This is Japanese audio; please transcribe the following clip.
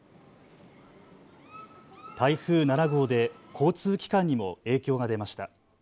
台風７号で交通機関にも影響が出ました。